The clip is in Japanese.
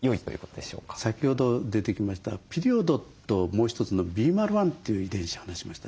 先ほど出てきましたピリオドともう一つのＢｍａｌ１という遺伝子を話しましたね。